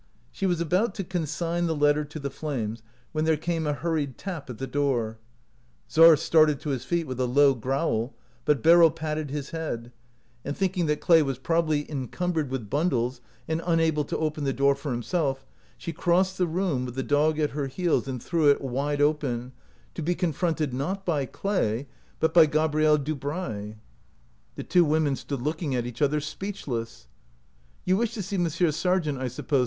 She was about to consign the letter to the flames, when there came a hurried tap at the door. Czar started to his feet with a low growl, but Beryl patted his head, and, thinking that Clay was probably encumbered with bundles and unable to open the door for himself, she crossed the room with the dog at her heels and threw it wide open, to be confronted, not by Clay — but by Gabri 176 OUT OF BOHEMIA elle Dubray. The two women stood look ing at each other, speechless. "You wished to see Monsieur Sargent, I suppose?"